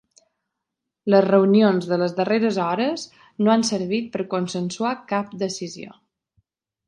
Les reunions de les darreres hores no han servit per consensuar cap decisió.